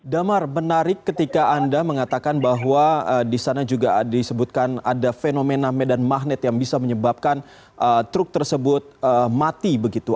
damar menarik ketika anda mengatakan bahwa di sana juga disebutkan ada fenomena medan magnet yang bisa menyebabkan truk tersebut mati begitu